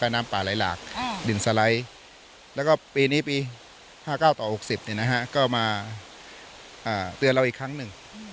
นี่ล่ะเตือนอีกครั้งนึง